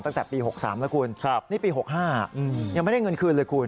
ตั้งแต่ปี๖๓แล้วคุณนี่ปี๖๕ยังไม่ได้เงินคืนเลยคุณ